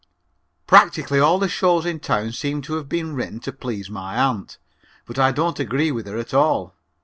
Practically all the shows in town seem to have been written to please my aunt, but I don't agree with her at all.